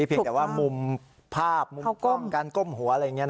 เพียงแต่ว่ามุมภาพมุมก้มการก้มหัวอะไรอย่างนี้